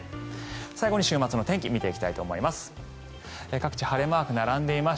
最後に週末の天気見ていきたいと思います。